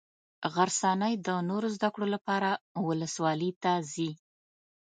غرڅنۍ د نورو زده کړو لپاره ولسوالي ته ځي.